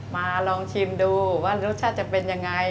ลองชิมดูว่ารสชาติจะเป็นยังไง